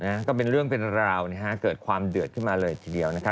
นะฮะก็เป็นเรื่องเป็นราวนะฮะเกิดความเดือดขึ้นมาเลยทีเดียวนะคะ